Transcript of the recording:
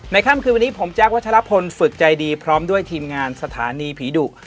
ค่ำคืนวันนี้ผมแจ๊ควัชลพลฝึกใจดีพร้อมด้วยทีมงานสถานีผีดุ